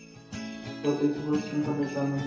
অতিরিক্ত পরিশ্রমের ফলে তার মৃত্যু হয়।